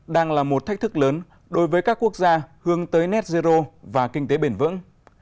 đang là một thách thức lớn đối với các quốc gia hướng tới net zero và kinh tế bền vững